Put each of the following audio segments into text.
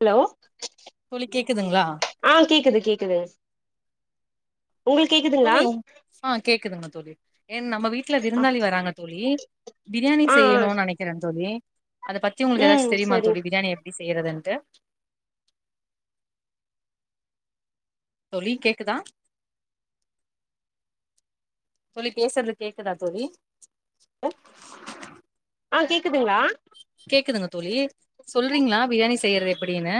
hello தோழி கேக்குதுங்களா ஆ கேக்குது கேக்குது உங்களுக் கேக்குது புரியூ ஆ கேக்குதுங்க தோழி ஏ நம்ம வீட்ல ஆ விருந்தாளி வராங்க தோழி பிரியாணி ஆ செய்யணுன்னு நெனைக் [unintelligible] தோழி அத பத்தி உங்களுக்கு ஏதாச்சு ம் தெரியுமா தோழி சரிங்க பிரியாணி எப்டி செய்றதுன்ட்டு தோழி கேக்குதா தோழி பேசுறது கேக்குதா தோழி ஆ கேக்குதுங்களா கேக்குதுங்க தோழி சொல்றீங்ளா பிரியாணி செய்றது எப்டினு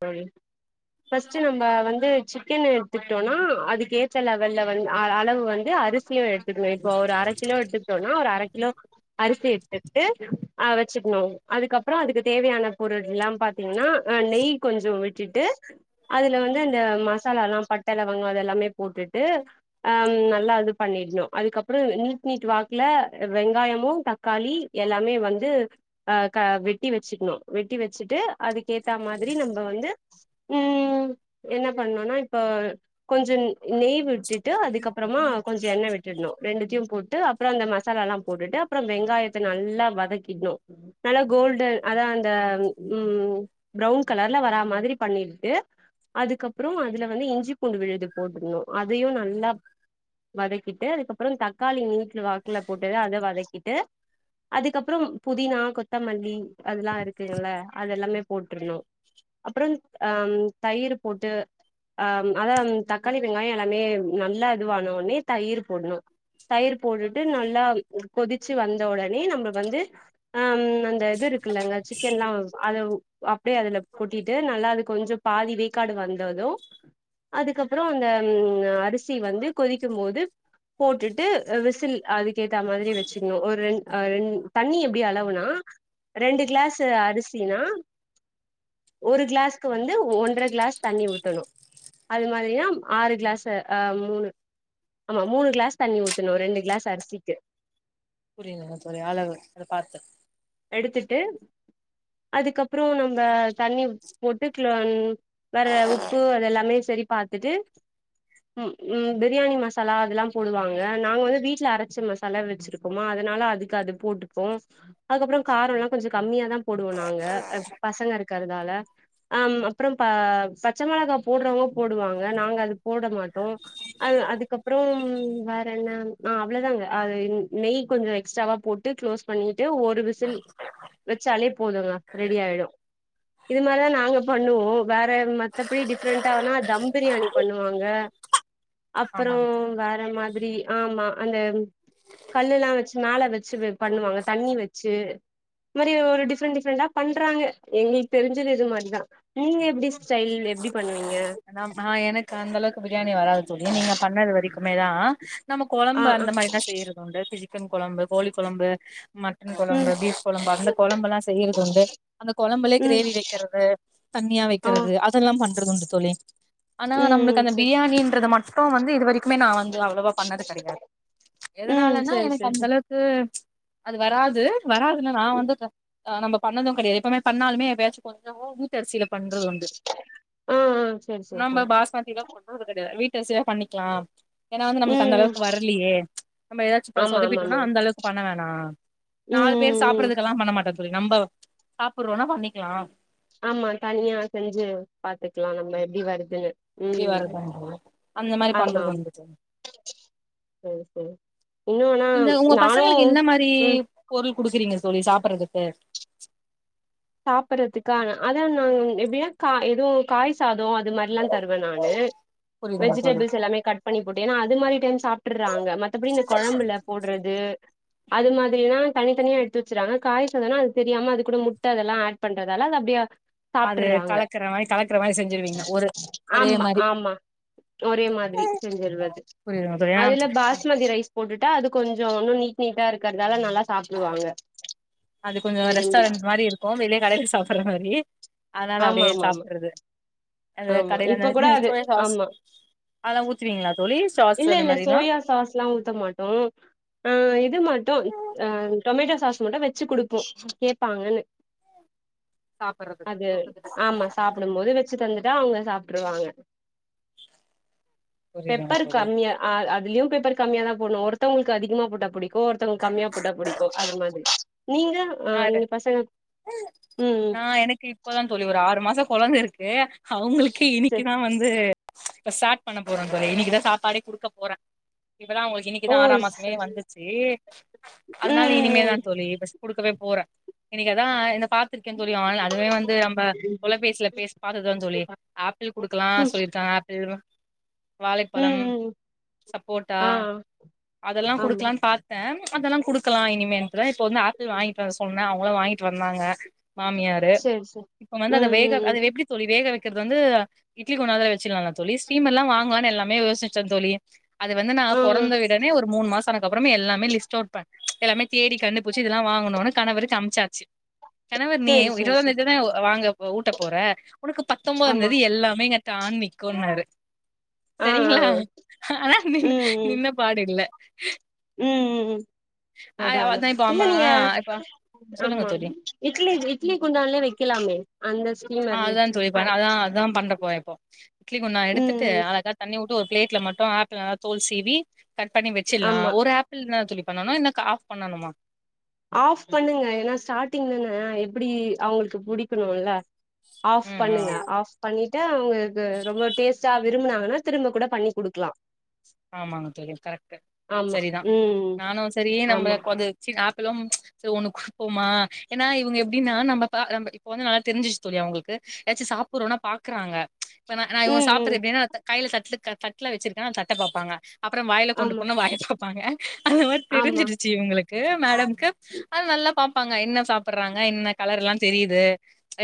தோழி ஃபஸ்ட் நம்ம வந்து சிக்கன் எடுத்துட்டோனா அதுக்கு ஏத்த லெவல்ல வந்து அளவு வந் ந்து அரிசியு எடுத்துக்கணு இப்போ ஒரு அர கிலோ எடுத்துக்கிட்டோனா ஒரு அர கிலோக் அரிசி எத்துட்டு ஆ வச்சுக்கணு அதுக்கப்பற அதுக்கு தேவையான பொருள் எல்லா பாத் தீங்கனா நெய் கொஞ்சோ விட்டுட்டு அதுல வந்து இந்த மசாலா எல்லா பட்ட லவங்கம் அத எல்லாமே போட்டுட்டு ஆ நல்லா இது பண்ணிட்ணு அதுக்கப்பற நீட் நீட் வாக்குல வெங்காயமு தக் களி எல்லாமே வந்து அ வெட்டி வச்சுக்கணு வெட்டி வச்சுட்டு அதுக்க ஏத்த மாரி திரி நம்ப வந்து ம் என்ன பண்ணுன்னா இப்ப கொஞ்ச நெய் விட் டுட்டு அதுக்கப்பறமா கொஞ்ச எண்ணெய் விட் டுனு ரெண்டத்தையு போட்டு அப்ற அந்த மசாலால்லா போட்டுட்டு அப்பற வெங்காயத்த நல்லா வதக்கிணு நல்லா கோல்டன் அதா அந்த ம் ப்ரவுன் கலர்ல வாரா மாரி பண்ணிட்டு அதுக்கப்றோ அதுல வந்து இஞ்சி பூண்டு விழுது போட்டுக்குணு அதையு நல்லா வதக்கிட்டு அதுக்கப்பற தக்காளி நீட்டு வாக்கல போட்டத அத வதக்கிட்டு அதுக்கப்றோ புதினா கொத்தமல்லி அதெல்லா இருக்குங்கள அத எல்லாமே போட்ருணு அப்பறந் ஆ தயிர் போட்டு ஆ அதா தக்காளி வெங்காய எல்லாமே நல்லா இதுவான உனே தயிர் போடணு தயிர் போட்டுட்டு நல்லா கொதிச்சு வந்த உடனே நம்ம வந்து ஆ அந்த இது இருக்குல்லங்க சிக்கன் எல்லா அது அப்டியே அதுலப் கொட்டிட்டு நல்லா அது கொஞ்ச பாதி வேக்காடு வந்தது அதுக்கப்றோ அந்த ம் அரிசி வந்து கொதிக்கும்போது போட்டுட்டு விசில் அதுக்க ஏத்த மாரி வச்சுக்கணு ஒரு ரெண் ரெண் தண்ணி எப்டி அளவுனா ரெண்டு கிளாஸ் அரிசினா ஒரு கிளாஸ்க்கு வந்து ஒன்ற கிளாஸ் தண்ணி ஊத்தணு அது மாரிதா ஆறு கிளாஸ் ஆ மூணு ஆமா மூணுகிளாஸ் தண்ணி ஊத்தணு ரெண்டு கிளாஸ் அரிசிக்கு புரியலங்க சார் [unintelligible] பாத்து எடுத்துட்டு அதுக்கப்றோ நம்ம தண்ணி போட்டு க்ளோ வேற உப்பு அதெல்லாமே செரி பாத்துட்டு ம் பிரியாணி மசாலா அதெல்லா போடுவாங்க நாங்க வந்து வீட்ல அரைச்ச மசாலா வச்சிருப் போமா அதனால அதுக்கு அது போட்டுப்போ அதுக்கப்றோ காரோல்லா கொஞ்ச கம்மியா தா போடுவோ நாங்க பசங்க இருக்கறதால அ அப்புறம் ப பச்ச மொளகா போட்றவங்க போடுவாங்க நாங்க அது போட மாட்டோ அ அதுக்கப்புறம் வேற என்ன அவ்ளவுதாங்க அது நெய் கொஞ்சோ எக்ஸ்ட்ராவா போட்டு க்ளோஸ் பண்ணிட்டு ஒரு விசில் வச்சாலே போதுங்க ரெடி ஆயிடு இது மாரிதா நாங்க பண்ணுவோ வேற மத்தபடி டிஃப்ரெண்டானா தம் பிரியாணி பண்ணுவாங்க அப்பறோ ஆமாங்க தோழி வேற மாதிரி ஆமா அந்த கல்லுல்லா வச்சு மேல வச்சு பண்ணுவாங்க தண்ணி வச்சு இது மாரி ஒரு டிஃப்ரெண்ட் டிஃப்ரெண்டா பண்றாங்க எங்களுக்கு தெரிஞ்சது இது மாரி தா நீங்க எப்டி ஸ்டைல் எப்டி பண்ணுவீங்க அதாமா ஆ எனக்கு அந்தளவுக்கு பிரியாணி வராது தோழி நீங்க பண்ணது வரைக்குமே தா நம்ம ஆ கொழம்பு ஆ அந்த மாதிரிதா செய்யறது உண்டு சிக்கன் கொழம்பு கோழி கொழம்பு மட்டன் கொழம்பு ம் பீஃப் கொழம்பு அந்த கொழம்பு எல்லா செய்யறது உண்டு அந்த கொழம்புலே ம் கிரேவி வைக்கிறது தண்ணியா ஆ வைக்கிறது அதெல்லா பண்றது உண்டு தோழி ஆனா ம் நம்மளுக்கு ம் அந்த செரி பிரியாணன்றது மட்டு வந்து இது வரைக்கு க்குமே நா வந்து அவ்வளவா பண்ணது கெடையாது ம் எதுனாலனா செரி எனக்கு செரி அந்த செரி அளவுக் கு அது வராது வராதுன்னா நா வந்து ஆ நம்ம பண்ணது கெடையாது எப்பமே பண்ணாலுமே எப்பயாச்சு கொஞ்சமா வீட்டரிசியில பண்றது உண்டு ஆ ஆ செரி செரி நம்ம செரி பாஸ்மதில பண்றது கெடையாது வீட்டரிசியே பண்ணிக்கலா ஏனா வந்து நம்மளுக்கு ம் அந்த ம் அளவுக்கு வரலியே நம்ம ஏதாச்சு ஆமா ஆமா சொதப்பிட்டோம்னா ஆமா அந்த அளவுக்கு பண்ண வேணா ம் நாலு பேர் ம் ம் சாப்பிறதுக்கெல்லா பண்ண மாட்டே தோழி நம்ம சாப்புறோனா பண்ணிக்கலா ஆமா தனியா செஞ்சு பாத்துக்கலா நம்ம எப்டி வருதுன்னு எப்டி ம் வர்துனு அந்த மாரி ஆமா பண்றதுண்டு செரி செரி இன்னு ஆனா இந்த உங்க நானு பசங்களுக்கு என்ன மாரி ம் பொருள் குடுக்குறீங்க தோழி சாப்பறதுக்கு சாப்பறதுக்கா அதா நா எப்டியா கா எதுவு காய் சாதோ அது மாரிலா தருவ நானு புரியுதுங்க தோழி வெஜிடேபிள்ஸ் எல்லாமே கட் பண்ணி போட்டு ஏனா மாரி டென் சாப்புட்டுறாங்க மத்தபடி இந்த கொழம்புல போடுறது அது மாதிரிதா தனிதனியா எடுத்து வச்சறாங்க காய் சாதோனா அது தெரியாம அது கூட முட் ட்ட அதெல்லா ஆட் பண்றதால அது அப்டியே அது சாப்ட்டுறாங்க கலக்கற மாரி கலக்கற மாரி செஞ்சிருவீங்க ஒரு ஒரே ஆமா மாரி ஆமா ஒரே மாதிரி செஞ்சிறது புரியுதுங்க தோழி ஏன்னா அதுல அ பாஸ்மதி ரைஸ் போட்டுட்டா அது கொஞ்சோ ஒன்னு நீட் நீட்டா இருக்கறதால நல்லா சா சாப்புடுவாங்க அது கொஞ்சோ விரும்பி ரெஸ்டாரண்ட் மாரி இருக்கு வெளியே கடையில சாப்புறமாரி அதனால ஆமா அப்டியே ஆமா ஆமா சாப்புட்றது அந்த ஆமா கடையில இப்ப கூட [unintelligible] அது சோயாசாஸ் ஆமா அதெல்லா ஊத்துவீங்களா தோழி இல்ல இல்ல மாரிலா சோயா சாஸ்லா ஊத்த மாட்டோ ஆ இது மட்டு டொமேட்டோ சாஸ் மட்டு வச்சு குடுப்போ கேப்பாங்கன்னு சாப்பட்றதுக்கு அது தொட்டுக்கிறதுக்கு ஆமா சாப்பிடும் போது வச்சு தந்துட்டா அவுங்க சாப்புட்ருவாங்க புரியுதுங்க பேப்பர் தோழி கம்மியா அதுலயு பேப்பர் கம்மியா தா போட்ணு ஒருத்தவங்களுக்கு அதிகமா போட்ட புடிக்கு ஒருத்தவங்ளுக் கம்மியா போட்டா புடிக்கு ஒ அது மாதிரி நீங்க ஆ நீங்க பசங்க ம் ம் ஆ எனக்கு இப்பதா தோழி ஒரு ஆறு மாசோ குழந்தை இருக்கு அவங்களுக்கு சரி இன்னிக்குதா வந்து இப்ப சாட் பண்ணபோறேன் தோழி இன்னைக்குதா சாப்பாடே குடுக்க போறே இப்பதா அவுங்களு ஓ இன்னிக்குதா ஆறாம்மாசமே சரி வந்துச்சு ம் அதனால இனிமே தா ம் தோழி பஸ் குடுக்கவே போறே இன்னைக்கு அதா என்ன பாத் வச்சுருக்கே தோழி அதுவே வந்து நம்ம ம் தொலைபேசியில பேசி பாத்ததுதா தோழி ஆப்பிள் குடுக்கலா ம் சொல்லிருக்காங்க ஆப்பிள் ம் வாழைப்பழம் ம் சப்போட்டா ஆ அதெல்லா ஆமா குடுக்கலாம்னு பா த்தே அதெல்லா குடுக்கலா இனிமேன்டுதா இப்போ வந்து ஆப்பிள் வாங்கிட்டு வர சொன்ன அவங்களு வாங்கிட்டு வந்தாங்க மாமியாரு சரி சரி இப்ப வந்து அத ம் ம் வேக ம் அது எப்டி தோழி வேக வைக்கிறது வந்து இட்லி குண்டாலே வேக வச்சலால தோழி ஸ்டீம்ர்லா வாங்குலா எல்லாமே யோசிச்சே தோழி அது வந்து நா ஆ ஆ பொறந்த விடனே ஒரு மூணுமாசோ ஆனத்அப்பறமே எல்லாமே லிஸ்ட் அவுட் ப எல்லாமே தேடி கண்டு புடி ச்சி இதெல்லா வாங்கணும்னு கணவருக்கு அமிச்சாச்சி கணவர் நீ சரி சரி சரி இருவதாந்தேதிதா வாங்க ஊட்ட போற உனக்கு ஆமா பத்தொன்பதாம்ந்தேதி எல்லாமே டானிக்கோன்னாரு ஆ செரி ஆ வா ஆப்டினு ம் நீ ம் என்னப் பாடுல்ல ம் ம் ம் அதா அதா அவள்தா இப்ப அம்மா இல்லேங்க இப்ப சொல்லுங்க ஆமா தோழி இட்லி இட்லி குண்டான்லே வைக்கலாமே அந்த சொ ஆ அதா தோழிப்ப அதா அததுதா பண்ணபோரே இப்போ இட்லி குண்டா ம் எடுத்துட்டு ம் அழகா தண்ணி ஒரு பிளேட்ல மட்டு ஆப்பில தோல் சீவி கட் பண்ணி வச்சிடலா ஆமா ஒரு ஆப் ஃபுல்னா தோழி பண்ணணும் இல்ல ஆஃப் பண்ணணுமா ஆஃப் பண்ணுங்க ஏன்னா ஸ்டார்டிங்தான எப்டி அவங்களுக்கு புடிக்கணும்ல ஆஃப் ம் ஆ பண்ணுங்க ஆஃப் பண்ணிட்டு அவங்களுக்கு ரொம்ப டேஸ்ட்டா விரும்பினாங்கன்னா திரும்ப கூட பண்ணி குடுக்கலா ஆமாங்க தோழி கரெக்ட்டு ஆமா சேரிதான் ம் நானும் சேரியே நம்மள ஆமா இப்போது வச்சி ஆப்பிளும் சேரி ஒண்ணு குடுப்போமா ஏன்னா இவங்க எப்டின்னா நம்ம நம் இப்ப வந்து நல்ல தெரிஞ்ச்சு தோழி அவுங்களுக்கு ஏதாச்சும் சாப்பறோம்னா பாக்குறாங்க இப்ப நா நா இவன் ம் ம் சாப்பிடுறது எப்டினா த கையில சட் தட் தட்டுல வச்சிருக்கன்னா தட்ட பார்ப்பாங்க அப்பறம் வாயில கொண்டு ஆமா போனா வாய பாப்பாங்க அந்த மாரி ஆமா தெரிஞ்சிருச்சு இவங்க ளுக்கு மேடம்க்கு அது நல்லா பார்ப்பாங்க என்ன சாப்பறாங்க என்ன கலர்ல்லா தெரிது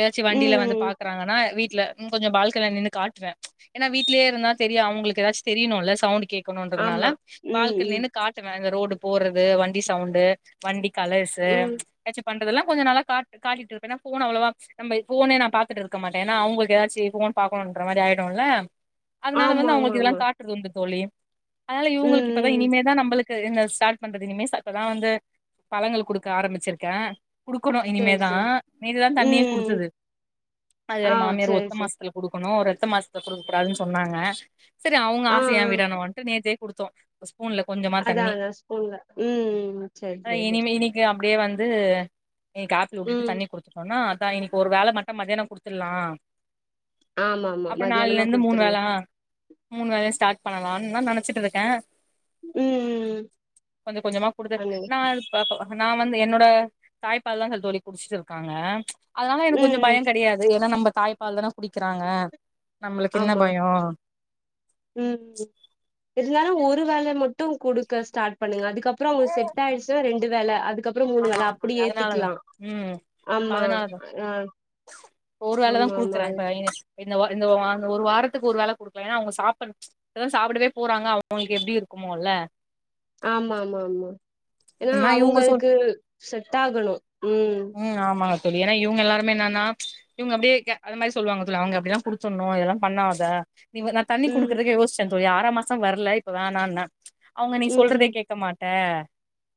ஏதாச்சும் வண்டியில வந்து ம் பார்க்குறாங்கன்னா வீட்ல ம் கொஞ்சம் பால்கனில நின்னு காட்டுவேன் ஏன்னா வீட்லயே இருந்தா தெரிய அவங்களுக்கு ஏதாச்சும் தெரியணும் இல்ல சவுண்ட் கேக் க்கனுன்றதுனால ஆமா ம் பால்கன்னி ம் இருந்து காட்டுவேன் இந்த ரோடு போடுறது வண்டி சவுண்டு வண்டி கலர்ஸ்சு ம் ஏதாச்சும் பண்றது எல்லாம் கொஞ்சம் நல்ல காட் காட்டிட்டு இருப்பேனா ஏன்னா போன் அவ்ளோவா நம்ம போன நான் பார்த்துட்டு இருக்க மாட்டேன்னா அவங்களுக்கு ஏதாச்சுபோன் பார்க்கணுன்னுற மாரி ஆய்டும்ல அதனால ஆமா வந்து ஆமா அவங்களுக்கு இது ஆமா எல்லாம் காட்டுறது உண்டு தோழி அதனால ம் இவங்களுக்கு இப்ப ம் இனிமேல்தான் நம்மளுக்கு இந்த ஸ்டார்ட் பண்றது இனிமேல் சாப்ட்டா தான் வந்து பழங்கள் குடுக்க ஆரம்பிச்சிருக்கேன் குடுக்கணும் சேரி சேரி இனிமேதான் நேத்துதான் தண்ணீயே ம் குடுத்தது அது வேற ஆ மாமியார் சேரி ஒத்த சேரி மாசோ த்துல குடுக்கணும் இரட்ட மாசத்துல குடுக்க கூடாதுன்னு சொன்னாங்க சேரி அவுங்க ஆ ஆசைய ஏன் ஆ விடனுட்டு நேத்தே குடுத்தோம் ஸ்பூன்லகொஞ்சமா அதா தண்ணி அதா ஸ்பூன்ல ம் ம் சேரி சேரி இனி இன்னைக்கு அப்டியே வந் வந்து இன்னைக்கு ஆப்பிள் வுட்டுட்டு ம் தண்ணி குடுத்துட்டோம்னா அதான் இன்னைக்கு ஒரு வேல மட்டும் மத்தியானம் குடுத்துடலாம் ஆமா ஆமா அப்பறம் நாளைல மதியானமா இருந்து மூணு குடுத்துருங்க வேலா அ மூணு வேலையா ஸ்டார்ட் பண்ணலாம்ன்னு நான் நினைச்சிட்டு இருக்கேன் ம் ம் ம் கொஞ்சம் கொஞ்சமா குடுத்துட் பண்ணுங்க நா பாப்பா நான் வந்து என்னோட தாய்ப்பால் தான் தோழி குடிச்சுட்டு இருக்காங்க அதனால எனக்கு ம் கொஞ்சம் ம் பயம் கிடையாது ஏன்னா நம்ம தாய்ப்பால் தானா குடிக்கிறாங்க நம்மளுக்கு என்ன ஆமா பயோ ம் இருந்தாலு ஒரு வேல ம ட்டு குடுக்க ஸ்டாட் பண்ணுங்க அதுக்கப்புறோ அவ்ங்க செட் ஆய்ர்ச்சுனா ரெண்டு வேல அதுக்கப் ஆமா அது அதுனாலதா ம் இப்ப ஆமா அதுனாலதா ஆ ஒரு வேலதா ஆமா ஆமா குடுக்குற என் பையனுக் இந்த ஒ இந்த ஒரு வா இந்த ஒரு வாரத்துக்கு ஒரு வேல குடுக்லேனா அவ்ங்க சாப்புற இப்பதா சாப்புடவே போறாங்க அவுங்குளுக் எப்டி இருக்குமோல ஆமா ஆமா ஆமா ஏனா ஆனா இவங்க சொல் அவுங்களுக்கு செட்டாகணு ம் ம் ஆமாங்க தோழி ஏனா இவ்ங்க எல்லாருமே என்னனா இவங்க அப்டியே அது மாரி சொல்லுவாங்க தோழி அவ்ங்க அப்டிதா குடுத்துர்னு இதெல்லா பண்ணாத இவ்வ நான் தண்ணி ம் குடுக்குறக்கே யோச்சேன் தோழி ஆறா மாசோ வர்ல இப்ப வேணாண்ண அவ்ங்க நீ ம் சொல்றதே ம் கேக்க மா ட்ட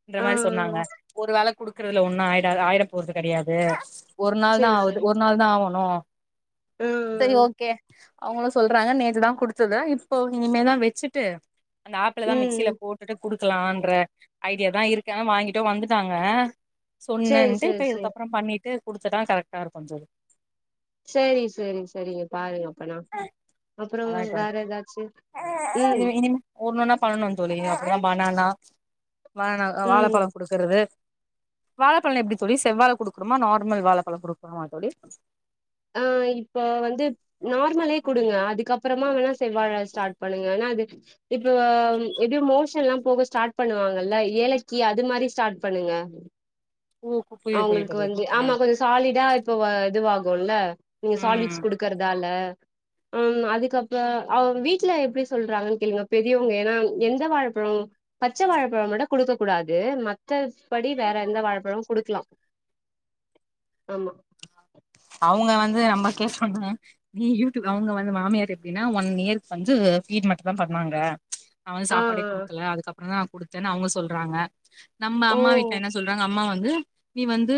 இந்த ஆ மாரி ஆ சொன்னாங்க ஒரு வேல குடுக்கறதுல ஒன்னு ஆய்டாது ஆயிர போற்து கெடையாது ஒரு நாள்தா சேரி ஆவுது சேரி ஒரு நாள்தா ஆவனு ஆ செரி ஆ ஒகே அவுங்களு சொல்றாங்க நேத்துதா குடுத்ததா இப்போ இனிமேதா வச்சுட்டு அந்த ஆப்பிளலா ம் மிக்ஸில போ ட்டு குடுக்கலாம்ன்ற ஐடியாதா இருக்கு ஆனா வாங்கிட்டு வந்துட்டாங்க சேரி சொன்னன்ட்டு சேரி இப்ப சேரி இதுக்கப்புறம் பண்ணிட்டு குடுத்துட்டா கரெக்ட்டா இருக்குன் தோழி சேரி சேரி சேரிங்க பாருங்க பண்லா அப்புறோ அதா இப்ப வேற எதாச்சு இது ம் இனிமே ஒன்னொன்னா பண்ணணு தோழி அப்புறோ பனானா பனானா அ ம் வாழப்பழோ குடுக்குறது வாழப்பழ்னா எப்டி தோழி செவ்வாழ குடுக்குணுமா நார்மல் வாழப்பழோ குடுக்கணுமா தோழி ஆ இப்ப வந்து நார்மலே குடுங்க அதுக்கப்புறமா வேணா செவ்வாழ ஸ்டாட் பண்ணுங்க ஆனா அது இப்ப எப்டியு மோஷன்லா போக ஸ்டாட் பண்ணுவாங்கல்ல ஏலக்கி அது மாரி ஸ்டாட் பண்ணுங்க ம் ஓ புரியுது புரியுது அவுங்ளுக்கு தோழி வந்து ஆ ஆமா கொஞ்சோ சாலிடா இப்ப வ இதுவாகுல நீங்க ம் சாலிட்ஸ் குடுக்கறதால ஆ ம் அதுக்கப்ப அவ் வீட்ல எப்டி சொல்றாங்கன் கேளுங்க பெரியவ்ங்க ஏனா எந்த வாழப்பழோ பச்ச வாழப்பழோ மட்டு குடுக்க கூடாது மத்த படி வேற எந்த வாழப்பழமு குடுக்குலா ஆமா அவ்ங்க வந்து நமக்கே சொன்னே நீ யூத்து அவ்ங்க வந்து மாமியார் எப்டினா ஒன் இயருக் வந்து ஃபீடு மட்டுந்தா பண்ணாங்க அவனுக் ஆ சாப்பாடே ஆ குடுக்கல அதுக்கப்புறந்தா குடுத்தேன் அவ்ங்க சொல்றாங்க நம்ம ஓ அம்மா வீட்ல என்ன சொல்றாங்க அம்மா வந்து நீ வந்து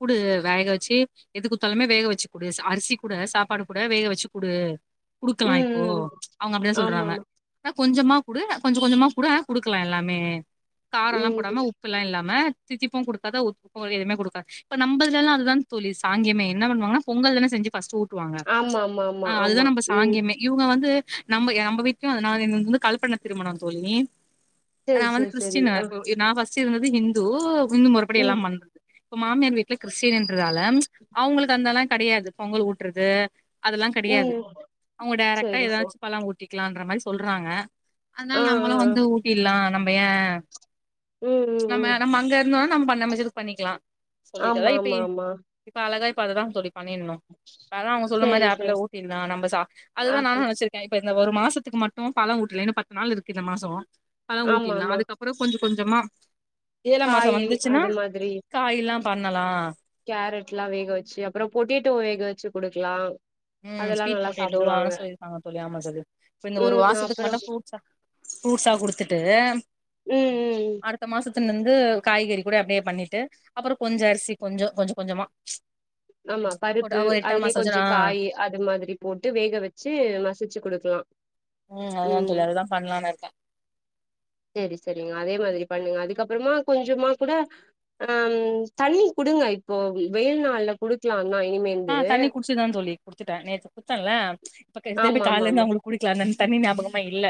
குடு வேக வச்சு எது கு ட்த்தாலுமே வேக வச்சு குடு அரிசி கூட சாப்பாடு கூட வேக வச்சு குடு குடுக்கலா இப்போ ம் ம் அவ்ங்க அப்டிதா ஆமா சொல்றாங்க ஆமா ஆனா கொஞ்சமா குடு கொஞ்சு கொஞ்சமா குடு ஆனா குடுக்கலா எல்லாமே காரோல்லா போடாம ம் உப் புலா இல்லாம தித்திப்பு குடுக்காத ஒத்துப்போகாத எதுமே குடுக்கா இப்ப நம்ப இதுலலா அதுதான் தோழி சாங்கியமே என்ன பண்ணுவாங்கனா பொங்கல்தான செஞ்சு ஃபஸ்ட்டு ஊட்டுவாங்க ஆமா ஆமா ஆமா ஆ ஆமா அதுதான் நம்ப ம் சாங்கியமே இவ்ங்க வந்து நம்ம எ நம்ம வீட்ல அது நான் என்னுது வந்து கலப்பண திருமணோ தோழி சேரி நான் வந்து சேரி சேரி கிறிஸ்டினு ஆ இப்போ நான் ஃபஸ்ட்டு இருந்தது ஹிந்து ஹிந்து முறப்படி ம் எல்லாம் பண்றது இப்ப மாமியார் வீட்ல கிறிஸ்டினின்றதால அவுங்களுக்கு அந்தெல்லா கெடையாது பொங்கல் ஊட்றது அதெல்லா கெடையாது ம் அவுங்க டேரக்ட்டா சேரி சேரி எதாச்சு பழோ ஊட்டிக்லான்ற மாரி சொல்றாங்க அதுனால ஆ ஆ நம்மளு ஆ வந்து ஊட்டில்லா நம்ப ஏன் ம் ம் நம்ம ம் நம்ம அங்க இருந்தோனா நம்ம நம்ம இஷ்டத்துக்கு பண்ணிக்குலா சொல்லிட்ட ஆமா அதா ஆமா இப்பயே ஆமா சோ அழகா இப்ப அததான் தோழி பண்ணிர்ணு அதா அவ்ங்க சொன்ன மாரி சேரி ஆப்பிள சேரி ஊட்டிர்லா நம்ப சா அதுதான் நானு ஆப்பிள் நெனச்சுரு கே இப்ப இந்த ஒரு மாசத்துக்கு மட்டு பழோ ஊட்லே இன்னு பத்து நாள் இருக்கு இந்த மாசோ பழோ ஆமா ஊட்டிர்லா ஆமா அதுக்கப் அப்புறோ கொஞ்ச கொஞ்சமா ஏழா மாசம் காயி வந்துச்சுன்னா அது மாதிரி காயில்லா பண்ணலா கேரட்லா வேக வெச்சு அப்புறோ பொட்டேட்டோ வேக வெச்சு குடுக்கலா ம் அதெல்லா ஸ்வீட் நல்லா பொட்டேட்டோ சாப்டுவாங்க வாங்கனோனு சொல்லிருக்காங்க தோழி ஆமா தோழி இப்ப இந்த ஒரு ம் மாசத்துக்கு அப்புறோ மட்டு ஃப்ரூட்ஸா ஃரூட்ஸா குடுத்துட்டு ம் ம் ம் அடுத்த மாசத்துலந்து காய்கறி கூட அப்புடியே பண்ணிட்டு அப்புறோ கொஞ்சோ அரிசி கொஞ்சோ கொஞ்ச கொஞ்சமா ஆமா போட்டு பருப்பு ஒரு எட்டாம் அதுலயே மாசோ வச்சுரு கொஞ்சோ ஆ காயி அது மாதிரி போட்டு வேக வெச்சு மசிச்சு குடுக்கலா உம் அதுதா ம் தோழி அதுதா பண்ணலான்னு இருக்கே செரி செரிங்க அதே மாதிரி பண்ணுங்க அதுக்கப்பறமா கொஞ்சமா கூட ஹம் தண்ணி குடுங்க இப்போ வெயில்நாள்ல குடுக்கலாந்தா இனிமேல் ஆஹ் தண்ணி குடிச்சுதா தோழி குத்துட்டே நேத்து குத்தன்ல இப்ப திருப்பி ஆமா ஆமா கால்ல இருந்து ஆமா அவுங்குளுக்கு குடிக்கலாந்தான தண்ணி ஞாபகமா இல்ல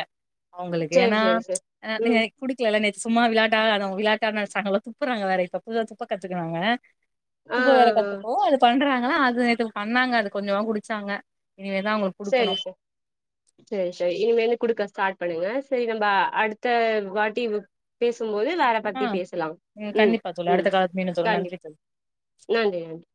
அவுங்குளுக்கு சேரி ஏன்னா சேரி சேரி நீங்க ம் குடிக்கலல நேத்து சும்மா விளாட்டா அத விளாட்டானு நெனச்சாங்களல்ல துப்புறாங்க வேற இப்ப புதுசா துப்ப கத்துக்குனாங்க ஆ துப்ப வேற ஆ ஆ கத்துக்கவோ அது பண்ற அது பண்ணாங்க அது கொஞ்சமா குடிச்சாங்க இனிவேதா அவுங்குளுக்கு செரி சார் செரி செரி இனிமேல் குடுக்க ஸ்டார்ட் பண்ணுங்க செரி நம்ம அடுத்த வாட்டி பேசும்போது வேற ஆ பத்தி பேசலா ம் உம் கண்டிப்பா தோழி உம் அடுத்த கால மீண்டும் தோழி நன்றி கண்டிப்பா தோழி நன்றி நன்றி